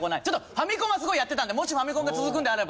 ファミコンはすごいやってたんでもしファミコンが続くんであれば。